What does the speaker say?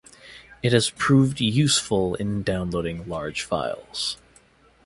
It has proved useful in downloading large files.